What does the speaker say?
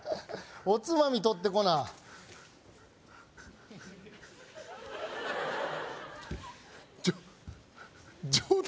おつまみ取ってこなじょ冗談？